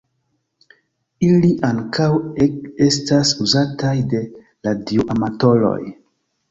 Ili ankaŭ estas uzataj de radioamatoroj.